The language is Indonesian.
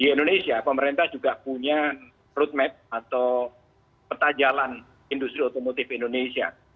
di indonesia pemerintah juga punya roadmap atau peta jalan industri otomotif indonesia